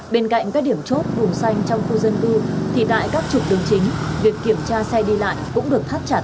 bên cạnh các điểm chốt bùm xanh trong khu dân cư thì tại các trục đường chính việc kiểm tra xe đi lại cũng được thắt chặt